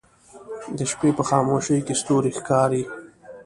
د شپې په خاموشۍ کې ستوری ښکاري